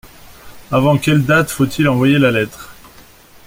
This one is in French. Avant quelle date faut-il envoyer la lettre ?